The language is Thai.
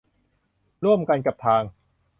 ร่วมกันกับทาง